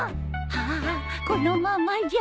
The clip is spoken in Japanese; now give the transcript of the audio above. はあこのままじゃ